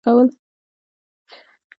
د ماشومانو نيا په پخلنځي کې پياز ټوټه کول.